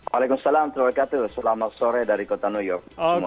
waalaikumsalam selamat sore dari kota new york